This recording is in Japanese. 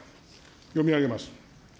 読み上げます。